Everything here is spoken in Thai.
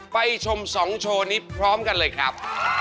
ไปชม๒โชว์นี้พร้อมกันเลยครับ